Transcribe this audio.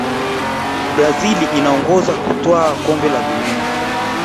brazil inaongoza kutwaa kombe la dunia